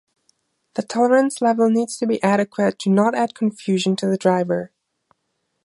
The tolerance level needs to be adequate to not add confusion to the driver.